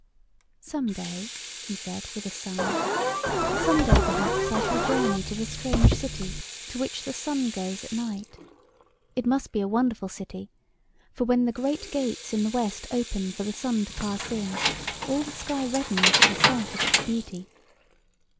"Some day," he said with a sigh, "some day perhaps I shall journey to the strange city to which the sun goes at night. It must be a wonderful city, in.] ROUND THE RABBIT HOLES. 49 for, when the great gates in the west open for the sun to pass in, all the sky reddens at the sight of its beauty.